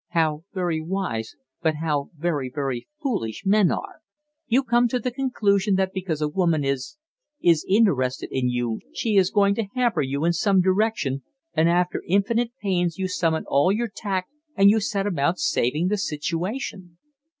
"How very wise, but how very, very foolish men are! You come to the conclusion that because a woman is is interested in you she is going to hamper you in some direction, and after infinite pains you summon all your tact and you set about saving the situation."